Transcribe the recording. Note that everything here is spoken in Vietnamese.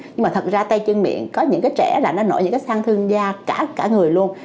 nhưng mà thật ra tay chân miệng có những cái trẻ là nó nổi những cái sang thương da cả người luôn